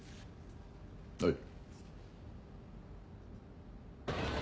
はい。